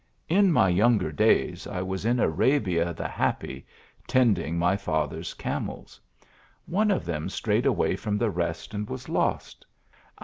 In my younger days I was in Arabia the Happy, tending my father s camels. One of them strayed away from the rest, and was lost. I 124 THE ALHAMBRA.